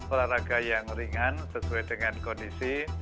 olahraga yang ringan sesuai dengan kondisi